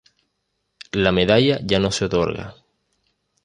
La medalla ya no se otorga.